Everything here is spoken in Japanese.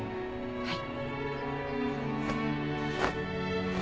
はい。